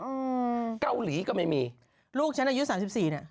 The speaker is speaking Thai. อืมเกาหลีก็ไม่มีลูกฉันอายุสามสิบสี่เนี้ย